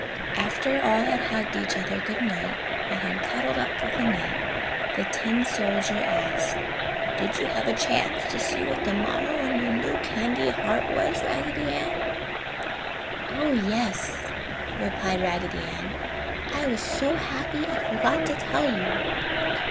After all had hugged each other good night and had cuddled up for the night, the tin soldier asked, "Did you have a chance to see what the motto on your new candy heart was, Raggedy Ann?" "Oh yes," replied Raggedy Ann, "I was so happy I forgot to tell you.